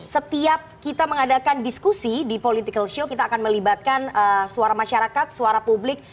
setiap kita mengadakan diskusi di political show kita akan melibatkan suara masyarakat suara publik